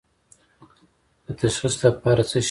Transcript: د تشخیص لپاره څه شی اړین دي؟